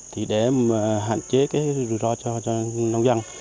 thì để hạn chế cái rủi ro cho nông dân